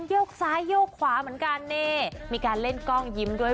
โยกซ้ายโยกขวาเหมือนกันนี่มีการเล่นกล้องยิ้มด้วย